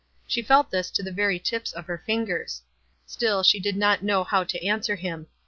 She felt this to the very tips of ber fingers. Still she did not know how to an swer him.